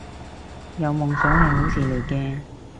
有夢想係好事嚟嘅